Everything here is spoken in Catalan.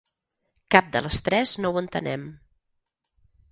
Cap de les tres no ho entenem.